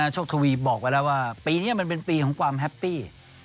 โชคทวีบอกไว้แล้วว่าปีนี้มันเป็นปีของความแฮปปี้